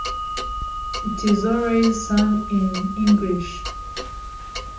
It is always sung in English.